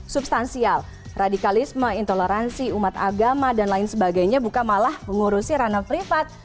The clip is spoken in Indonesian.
substansial radikalisme intoleransi umat agama dan lain sebagainya bukan malah mengurusi ranah privat